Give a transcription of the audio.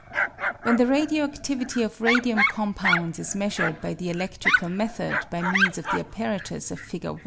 When the radio aftivity of radium compounds is measured by the eledtrical method by means of the apparatus of Fig.